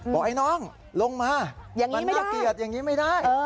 บอกไอ้น้องลงมามันไม่เกลียดอย่างนี้ไม่ได้